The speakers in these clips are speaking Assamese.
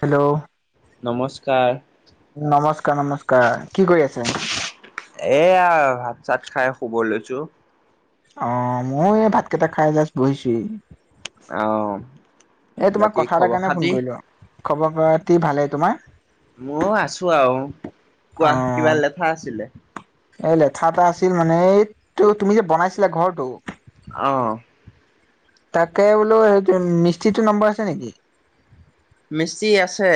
হেল্ল'। নমস্কাৰ। নমস্কাৰ, নমস্কাৰ কি কৰি আছে? এয়া ভাত চাত খাই শুব লৈছোঁ। অ', মই এই ভাত কেইটা খাই জাষ্ট বহিছোঁ। অ'। এই তোমাক কথা এটাৰ কাৰণে ফোন কৰিলো আৰু খবৰ পতি ভালে তোমাৰ? মই আছোঁ আৰু কোৱা অ কিবা লেঠা আছিলে। এই লেঠা এটা আছিল মানে এই ত তুমি যে বনাইছিলা ঘৰটো। অ, তাকে বোলো সেইটো মিস্ত্ৰীটো নাম্বৰ আছে নেকি। মিস্ত্ৰী আছে।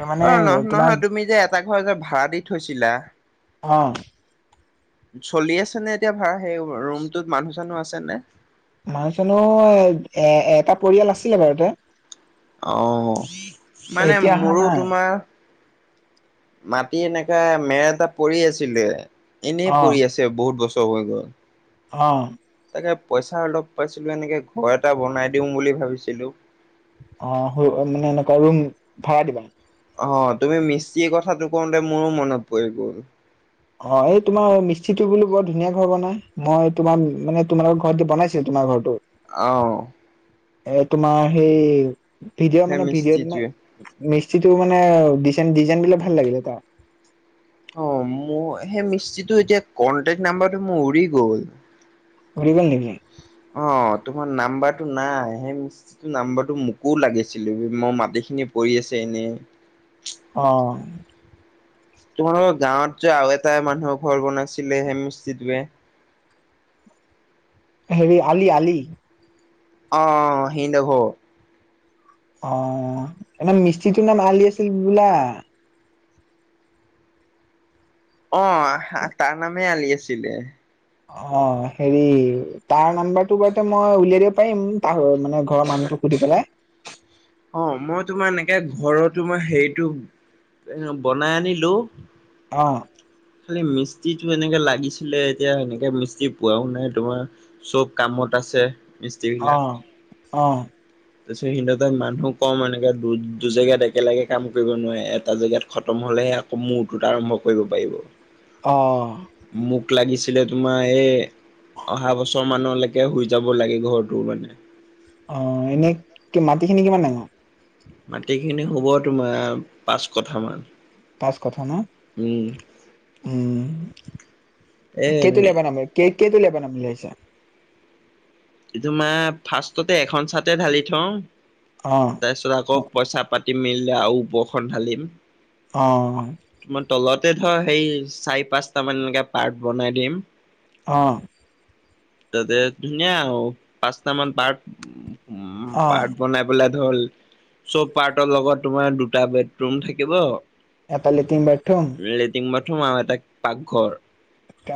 এ মানে অ, নহ তোমাৰ নহয় তুমি যে এটা ঘৰ যে ভাড়া দি থৈছিলা। অ, চলি আছে নে এতিয়া ভাড়া সেই ৰুমটোত মানুহ চানুহ আছেনে। মানুহছানো এ এটা পৰিয়াল আছিলে বাৰুতে। অ, মানে এতিয়া অহা মোৰো নাই তোমাৰ। মাটি এনেকা মেৰ এটা পৰি আছিলে এনে অ পৰি আছে বহুত বছৰ হৈ গ'ল। অ, তাকে পইচা অলপ পাইছিলো এনেকে ঘৰ এটা বনাই দিওঁ বুলি ভাবিছিলো। অ, মানে এনেকুৱা ৰুম ভাড়া দিবা। অ, তুমি মিস্তিৰ কথাটো কওঁতে মোৰো মনত পৰি গ'ল। অ, এই তোমাৰ মিস্ত্ৰীটো বোলো বৰ ধুনীয়া ঘৰ বনাই মই তোমাৰ মানে তোমালোকৰ ঘৰত বনাইছো। তোমাৰ ঘৰতো। অ, এ, তোমাৰ সেই ভিডিঅ' সেই মানে ভিডিঅ' মিস্ত্ৰীটোৱে। তোমাৰ। মিস্ত্ৰীটো মানে ডিজাইন ডিজাইন বিলাক ভাল লাগিলে তা অ, মোৰ সেই মিস্ত্ৰীটো এতিয়া কন্টেক্ট নাম্বাৰ মোৰ উৰি গ'ল। [unintelligible] নেকি? অ, তোমাৰ নাম্বাৰটো নাই সেই নাম্বৰটো মোকো লাগিছিল মোৰ মাটিখিনি পৰি আছে এনেই। অ, তোমালোকৰ গাঁৱত যে আৰু এটা মানুহৰ ঘৰ বনাইছিলে সে মিস্ত্ৰীটোৱে। হেৰি আলি আলি। অ, সিহিত ঘৰ অ, এ মিস্ত্ৰীটোৰ নাম আলি আছিল বোলা। অ, তাৰ নামেই আলি আছিলে। অ, হেৰি তাৰ নাম্বাৰটো বাৰ মই উলিয়াই দিব পাৰিম তাহ মানে ঘৰৰ মানুহ। সুধি পেলাই। অ, মই তোমাৰ এনেকে ঘৰতো মই হেৰিটো এ বনাই আনিলো। অ, খালি মিস্ত্ৰীটো এনেকে লাগিছিলে এতিয়া এনেকে মিস্ত্ৰী পোৱাও নাই তোমাৰ। চব, কামত আছে মিস্ত্ৰী অ বিলাক অ তাৰ মানুহ কম এনেকে দু দু জেগাত একেলগে কাম কৰিব নোৱাৰে এটা জেগাত খতম হলেহে মূহৰটোত আৰম্ভ কৰিব পাৰিব। অ, মোক লাগিছিলে তোমাৰ এই। অহা বছৰ মানলৈকে শুই যাব লাগে ঘৰটো মানে। অ, এনে কি মাটি খিনি কিমান ডাঙৰ। মাটিখিনি হ'ব তোমাৰ পাঁচ কথা মান। পাঁচ কথা ন উম উম, এ কেইটো এনে লেব ন আ [unintelligible] তোমাৰ ফাৰ্ষ্টতে এখন চাটতে ঢালি থওঁ। অ, তাৰ পিছত আকৌ পইচা পাতিম মেলিলে আৰু ওপৰখন ঢালিম। অ, মই তলতে ধৰ সেই চাৰি পাঁচটা মান এনেকে পাৰ্ট বনাই দিম। অ, তাতে, ধুনীয়া আৰু পাঁচটামান পাৰ্ক। উম্, অ পাৰ্ট বনাই পেলাই ধৰ। চব পাৰ্টৰ লগত তোমাৰ দুটা বেডৰুম থাকিব। এটা লেটিন বাথৰুম। লেট্ৰিন বাথৰুম আৰু এটা পাকঘৰ।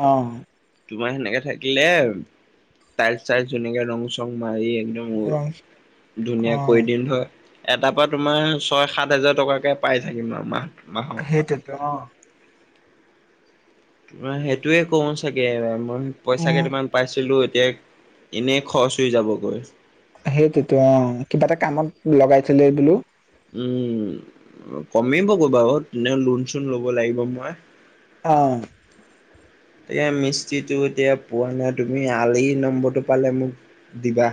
অ', তোমাৰ সেনেকে থাকিলে, তাইলচ চাইলচ সেনেকে ৰং চং মাৰি একদম, মোৰ, ৰং, অ ধুনীয়া কৰি দিম ধৰ। এটাৰ পৰা তোমাৰ ছয় সাত হাজাৰ টকাকে পাই থাকিম আৰু মাহ মাহত। সেইটোৱেই টো ন। সেইটোয়ে কওঁ চাগে মই পইচা উম কেইটামান। পাইছিলোঁ, এতিয়া এনেই খৰচ হৈ যাবগৈ। সেইটোৱেইতো অ', কিবা এটা কামত লগাইথলে বোলো। উম্, কমিবগৈ বাৰু তেনেও লোন চোন ল'ব লাগিব মই। অ', এইয়া মিস্ত্ৰীটো এতিয়া পোৱা নাই, তুমি আলি নম্বৰটো পালে মোক দিবা।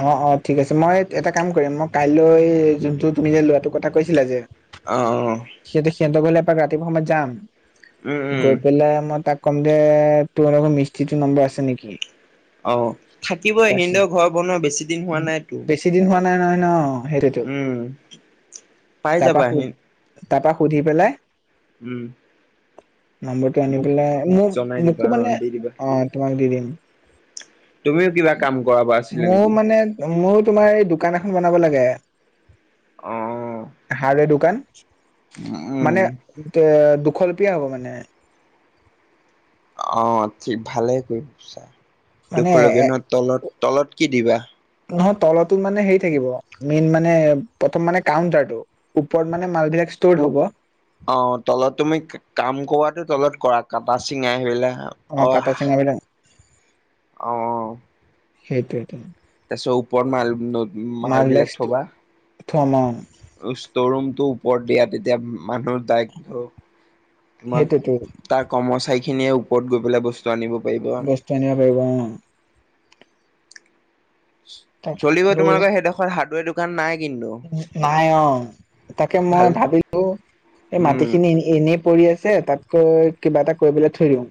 অ', অ', ঠিক আছে, মই এটা কাম কৰিম মই কাইলৈ যোনটো তুমি যে ল'ৰাটো কথা কৈছিলা যে। অ', অ', সিহঁতে, সিহঁতৰ ঘৰলে এপাক ৰাতিপুৱা সময়ত যাম, উম উম গৈ পেলাই মই তাক- কম যে তোমালোকৰ মিস্ত্ৰীটো নম্বৰ আছে নেকি? অ', থাকিবই কৈছে, সিহঁতও ঘৰ বনোৱা বেছি- দিন হোৱা নাইতো বেছি দিন হোৱা নাই নহয় ন, সেইটোৱেইতো। উম পাই তাৰপা যাবা সুধি, সি তাৰপা সুধি পেলাই। উম নম্বৰটো আনি মোক পেলাই, মোক জনাই মোকো দিবা অ মানে দি দিবা অ', তোমাক দি দিম। তুমিও কিবা কাম কৰাবা- মোৰো মানে, মইয়ো তোমাৰ এই দোকান এখন বনাব লাগে। অ হাৰ্ডৱেৰ দোকান, উম মানে- এ দুখলপীয়া হ'ব মানে। অ', ঠিক ভালে কৰিব চা, মানে দুখ লপিয়া এ ন, তলত তলত কি দিবা। নহয় তলতোট মানে হেৰি থাকিব, মেইন মানে প্ৰথম মানে কাউণ্টাৰটো। ওপৰত মানে মাল বিলাক ষ্ট'ৰ হ'ব। অ', তলত তুমি কাম কৰোৱাতটো তলত কৰা, কটা চিঙাই আহিলা। অ', কটা চিঙা বিলাক। অ', সেইটোৱেইটো। তাৰ পিছত ওপৰত মাল মল মালবিলাক বিলাক থবা। থম অ ষ্ট'ৰ ৰুমটো ওপৰত দিয়া, তেতিয়া মানুহৰ দায়ৰেক তোমাক- সেইটোৱেটো তাৰ কৰ্মচাৰীখিনিয়ে ওপৰত গৈ পেলাই বস্তু আনিব পাৰিব। তেতিয়া আনিব পাৰিব অ', তাক চলিব বোলো তোমালোকৰ সেইডোখৰ হাৰ্ডৱেৰ দোকান নাই কিন্তু। নাই অ', তাকে মই ভাল ভাবিলোঁ, এই উম মাটিখিনি- এনেই পৰি আছে, তাতকৈ কিবা এটা কৰিবলৈ থই দিওঁ।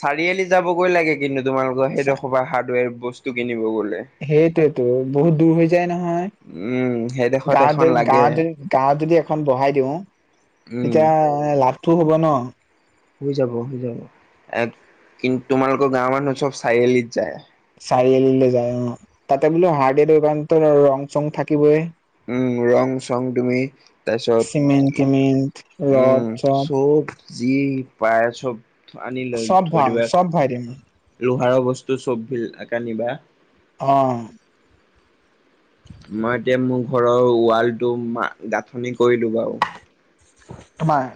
চাৰিআলি যাবগৈ লাগে কিন্তু তোমালোকৰ সেইডোখৰ পৰা হাৰ্ডৱেৰ বস্তু কিনিব গ'লে। সেইটোৱেইতো বহুত দূৰ হৈ যায় নহয়। উম সেইডোখৰত গাঁৱত এখন যদি, লাগে গাঁৱত যদি, গাঁৱত যদি এখন বহাই দিওঁ। উম এতিয়া লাভটো হ'ব ন। হৈ যাব, হৈ যাব, এ কিন্তু তোমালোকৰ গাঁৱৰ মানুহ চব চাৰিআলিত যায়। চাৰিআলিলৈ যায় অ', তাতে বোলো হাৰ্ডৱেৰ দোকানটো ৰং চং থাকিবই। উম্, ৰং চং তুমি চিমেণ্ট তাৰপিছত টিমেণ্ট ৰদ উম্, চদ চব। যি পায় চব আনিলৈ চব থই ভৰাম দিবা। চব ভৰাই দিম লোহাৰৰ বস্তু চব ভিলকা নিবা। অ, মই এতিয়া মোৰ ঘৰৰ ৱালটোা গাঁঠনি কৰিলো বাৰু। তোমাৰ?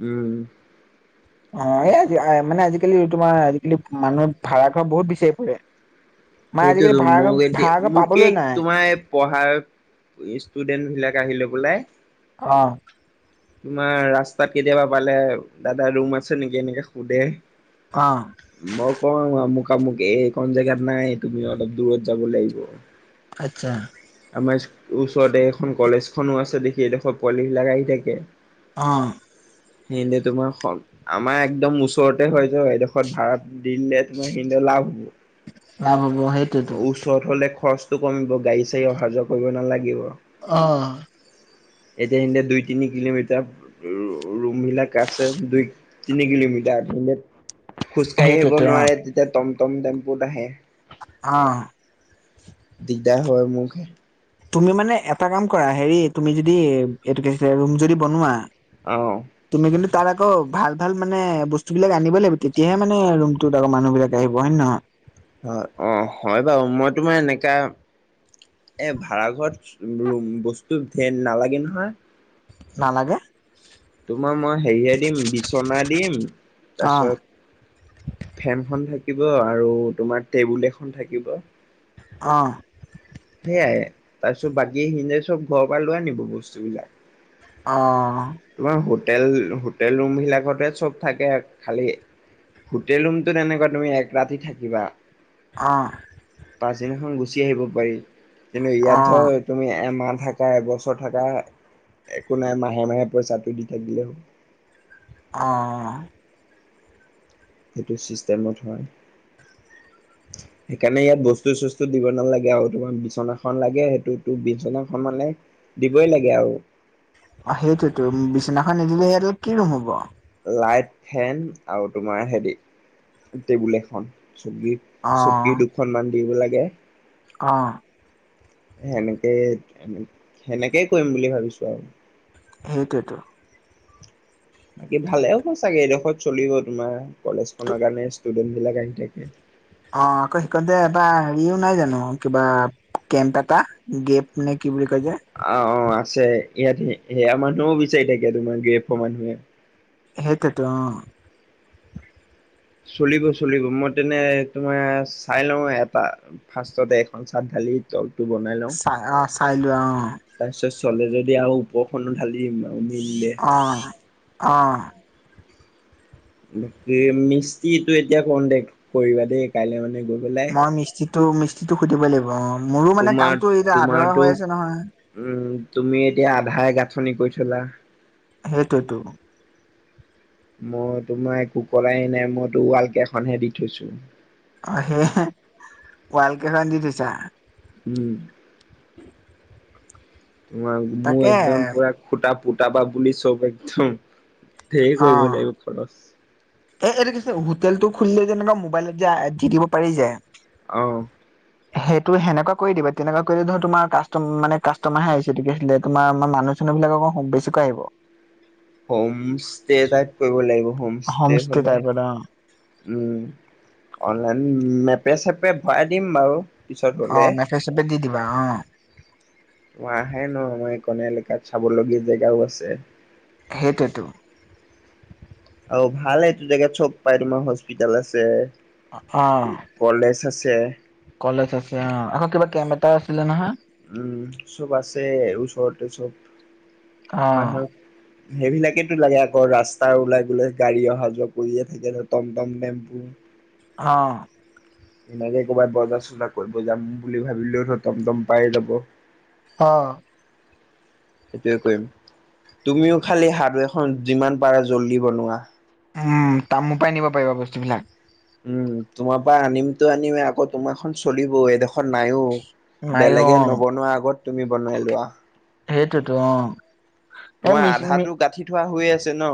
উম, অ, এই আজি মানে আজিকি তোমাৰ আজিকালি মানুহৰ ভাড়াঘৰ বহুত বিচাৰি ফুৰে। মানে আজিকালি সেইটোতো ভাড়া ঘৰ মোক এ ভাড়া ঘৰ মোক পাবলৈ নাই তোমাৰ পঢ়াৰ ষ্টুডেন্ট বিলাক আহিলৈ পেলাই অ, তোমাৰ ৰাস্তাত কেতিয়াবা পালে দাদা ৰুম আছে নেকি এনেকে সোধে। অ, মই কওঁ আমুক আমুক এইকখন জেগাত নাই তুমি অলপ দূৰত যাব লাগিব। আচ্ছা। আমাৰ ওচৰতে এখন কলেজখনো আছে দেখি এডোখৰ পোৱালীবিলাক আহি থাকে। অ, [inaudible] তোমাৰ সল আমাৰ একদম ওচৰতে হয় য এডোখৰ ভাড়া দি দিলে তোমাৰ সি লাভ হ'ব। লাভ হাব সেইটোৱেতো। ওচৰত হলে খৰচটো কমিব গাড়ী চাড় অহা যোৱা কৰিব নালাগিব। অ, এতিয়া স দুই তি কিলোমিটাৰ এতিয়া ৰুমবিলাক আাটছে দুই তিনি কিলোমিটাৰ [inaudible] খোজকাঢ়ি আহিব সেইটোৱেতো অ নোৱাৰে তেতিয়া টমটম টেম্পুত আহে। অ, দিগদাৰ হয় মখে তুমি মানে এটা কাম কৰা হেৰি তুমি যদি এইটো ৰুম যদি বনোৱা, অ, তুমি কিন্তু তাৰ আকৌ ভাল ভাল মানে বস্তু বিলাক আনিব লাগিব তেতিয়াহে মানে ত আকৌ মানুহ বিলাক আহিব হয় নহয়? হয়, অ, হয়, বাৰু মই তোমাৰ এনেকা এই ভাড়াঘৰত বস্তু ধে নালাগে নহয়। নালাগে! তোমাৰ মই হেৰিয়ে দিম বিচনা দিম অ তাৰপিছত ফেনখনন থাকিব আৰু তোমাৰ টেবুল এখন থাকিব। অ, সেইয়াইে তাৰপিছত বাকী সিে চব ঘৰৰ পৰা লৈ আনিব বস্তুবলাক। অ, তোমাৰ হোটেল হোটেল ৰুম বিলাকতে চব থাকে খালি হোটেল ৰুমতটো তেনেকুৱা তুমি এক ৰাতি থাকিবা। অ, পাছদিনাখন গুচি আহিব পাৰি কিন্তু অ ইয়াত ধৰ তুমি এমাহ থাক এবছৰ থকা একো নাই মাহে মাহে পইচাটো দি থাকিলেই হ'ল। অ, সেইটো চিষ্টেমত হয়। [inaudible] সেইকাৰণে ইয়াত বস্তু চস্তু দিব নালাগে আৰু তোমাৰ বিচনাখন লাগে সেইটোো বিচনাখন মানে, দিবই লাগে আৰু। অ, সেইটোতো বিচনাখন নিদিলে সিহ কি ৰুম হ'ব। লাইট ফেন আৰু তোমাৰ হেৰি টেবুল এখন চকি, অ চকী দুখনমান দিব লাগে, অঁ সেনেকেই সেনেকেই কৰিম বুলি ভাবিছো আৰু সেইটোৱেতো বাকী ভালে হব চাগে এডোখৰত চলিব তোমাৰ কলেজ খনৰ কাৰণে ষ্টুডেন্ট বিলাক থাকে অ আকৌ শিকো যে এবাৰ হেৰিও নাই জানো কিবা কেম্প এটা গেপ নে কি বুলি কয় যে অ অ আছে ইয়াত সেয়া মানুহও বিচাৰি থাকে তোমাৰ গ্ৰেফৰ মানুহে হেইকেত অ চলিব চলিব মই তেনে তোমাৰ চাই লওঁ এটা ফাৰ্ষ্টতে এখন চাট ঢালি তলটো বনাই লওঁ। চাই অ চাই লোৱা তাৰপিছত চলে যদি আৰু ওপৰখনো ঢালি দিম। আৰু মিলিলে অ' অ' বাকি মিস্তিটো এতিয়া কণ্টেক কৰিবা দেই কাইলৈ মানে গৈ পেলাই মই মি্ত্ৰীটো মিস্ত্ৰীটো সুধিবই লাগিব অ মোৰো মানে তোমাৰ কামটো এতিয়া আদৰৱ তোমাৰতো হৈ আছে নহয় উম তুমি এতিয়া আধাৰে গাঁঠনি কৰি থলা। সেইটোৱেতো। মই তোমাৰ একোকৰাই নাই মইতো ৱাল কেইখনহে দি থৈছো। অ' সেয়াই ওআলকেইখন দি থৈছা। উম, তোমাৰ মোৰ তাকে একদম পুৰা খুটা পুটা বাা বুলি চব একদম। ধেৰ কৰিব লাগিব খৰচ। এ এইটো কিছে হোটেলতটো খুলিলে যেনেকুৱা মোবাইলত যে দি দিব পাৰি যে অ' [inaudible] সেইটোে হেনেকোৱা কৰি দিবা তেনেকুৱা কৰি ধৰ তোমাৰ মানে কাষ্টমাৰ হে আহিছে আছিল তমাৰ মানে মানুহ বিলাক বেছিকৈ আহিব। হোম ষ্টে তাত কৰিব লাগিব হোম ষ্টে হোমষ্টে হলে। টাইপত অ উম, অনলাইন মেপে চেপে ভৰাই দিম বাৰু। পিছত অ হলে 'নেটে চেটে দি দিবা অ' [inaudible] এলেকাত চাবলগীয়া জেগাও আছে। সেইটোৱে তো অ' ভাল এইটো জেগাত চব পাই তমাৰ হস্পিতেল আছে। অ' কলেজ আছে কলেজ আছে অ' আকৌ কিবা কেম্প এটা আছিলে নহয়। উম, চব আছে। ওচৰতে চব অ মানুহৰ সেইবিলাকেতটো লাগে আকৌ ৰাস্তাৰ ওলাই গোলাই গাড়ী অহা যোৱা কৰিয়ে থাকে ন টমটম টেম্পু অ' সেনেকে ক'ৰবাত বজাৰ চজা কৰিব যাম বুলি ভাবিলেও টম টম পাই যাব। অ' সেইটোয়ে কৰিম তুমিও খালি হাৰ্দোৱে খন যিমান পাৰা জল্দি বনোৱা। উম, তা মো পৰাই নিব পাৰিবা বস্তুবিলাক। উম, তোমাৰ পৰা আনিমতো আনিম আকৌ তোমাৰখন চলিব এডোখৰত নাইও। মায়ো অ বেলেগে নবনোৱাৰ আগত তুমি বনাই লোৱা। সেইটোতো অ' এই তোমাৰ মিছ মি আধাটো গাঁঠি থোৱা হৈ আছে ন।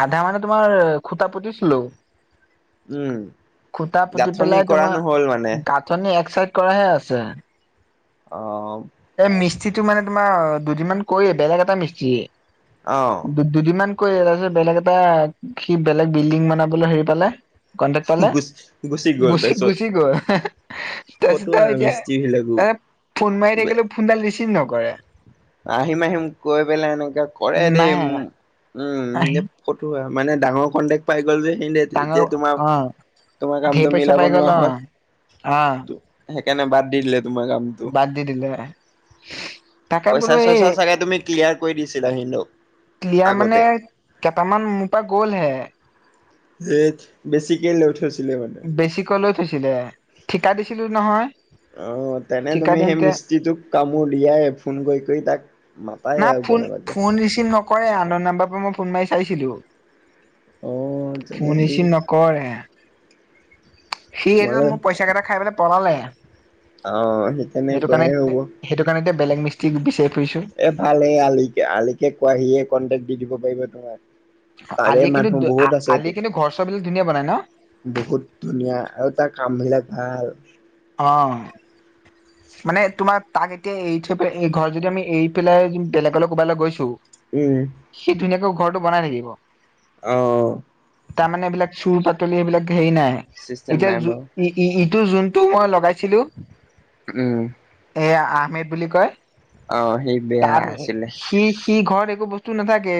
আধা মানে তোমাৰ খুটা পুতিছিলো। উম, খুতা পুতি গাঁথনি পেলাই কৰা নহ'ল মানে তোমাৰ গাঁঠনি এক চাইড কৰাই আছে। অ' এ মিস্ত্ৰীটো মানে তোমাৰ দুদিনমান কৰিয়ে বেলেগ এটা মিস্ত্ৰীে অ' দুদিনমান কৈ তাৰপিছত বেলেগ এটা সি বেলেগ বিল্ডিং বনাবলৈ হেৰি পালে। কণ্টেক্ট পালে গুচ গ'ল গুচি তাৰপিছত গুচি গ'ল। ফটো তাৰপিছতে এতিয়া মিস্ত্ৰী বিলাকো। ত ফোন মাৰি থাকিলেও ফোনডাল ৰিচিভ নকৰে। আহিম আহিম কৈ পেলাই এনেককা কৰে দেই উ, নাহে উম, আহি যে ফতোৱা মানে ডাঙৰ কণ্টেক্ট পাই গ'ল যে সিহঁতে ডাঙৰ এতিয়া তোমাৰ অ তোমাৰ কামটো মিলাব নোৱাৰা হল। আ'। সেইকাৰণে বাদ দি দিলে তোমাৰ কাম। বাদ দি দিলে। তাকে পইচা বোলো এই চইচা চাগে তুমি ক্লিয়াৰ কৰি দিছিলা সিহঁতক। ক্লিয়াৰ মানে আগতে। কেইটামান মোৰ পৰা গ'লহে। সেই বেছিকে লৈ থৈছোঁ। বেছিকৈ লৈ থৈছিলে ঠিকা দিছিলো নহয়। অ' তেনে ঠিকা তুমি সেই দিওঁতে মিস্ত্ৰীটোক কামোৰ দিয়া এ ফোন কৰি কৰি তাক। মাতাই না আৰু ফোন কেনেবাকে। ফোন ৰিচিভ নক কৰে আন'নন নাম্বাৰৰ পৰা মই ফোন মাৰি চাইছিলোঁ। অ' তেনে ফোন সি ৰিচিভ কৰে, সি এদ তোমালে মোক পইচা কেইটা খাই পেলাই পলালে। অ' সেই সেইটো কাৰণে তেনেকুৱাই হ'ব। সেইটো কাৰণে এতিয়া বেলেগ মিস্ৰিক বিচাৰি ফুৰিছোঁ। এ, ভাল এই আলিকে আলিকে কোৱাহিয়ে কণ্টেক্ট দি দিব পাৰিব তোমাক। অ' তাৰে আলিয়ে মানুহ কিন্তু বহুত আছেটো। আলিয়ে কিন্তু ঘৰ চৰ বিলাক ধুনীয়া বনাই ন'। বহুত ধুনীয়া আৰু তাৰ কাম বিলাক ভাল। অ'। মানে তোমাৰ তাক এতিয়া এৰি থৈ পেলাই এই ঘৰত যদি আমি এৰি পেলাই বেলেগলৈ ক'বালৈ গৈছো উম। সি ধুনীয়াকৈ ঘৰটো বনাই থাকিব। অ'। তাৰমানে এইবিলাক চুৰ পাতলি এইবিলাক হেৰি নাই চিষ্টেম এতিয়া নাই বাৰু। ই ইটো যোনটো মই লগাইছিলোঁ উম। এয়া আহমেদ বুলি কয় অ সি বেয়া তাৰ আছিলে। সি কি ঘৰত একো বস্তু নাথাকে।